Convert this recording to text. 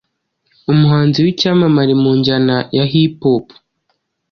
Umuhanzi w’icyamamare mu njyana ya Hip Hop